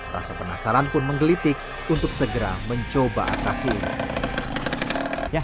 rasa penasaran pun menggelitik untuk segera mencoba atraksi ini